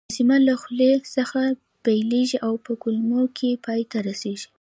هاضمه له خولې څخه پیلیږي او په کولمو کې پای ته رسیږي